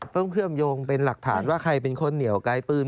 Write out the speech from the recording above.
เชื่อมโยงเป็นหลักฐานว่าใครเป็นคนเหนียวไกลปืน